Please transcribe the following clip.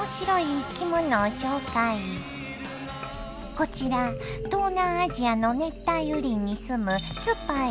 こちら東南アジアの熱帯雨林に住むツパイ。